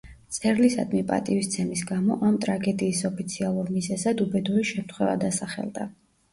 მწერლისადმი პატივისცემის გამო, ამ ტრაგედიის ოფიციალურ მიზეზად უბედური შემთხვევა დასახელდა.